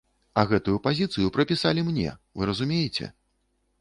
А гэтую пазіцыю прыпісалі мне, вы разумееце?